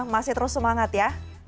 masih terus semangat ya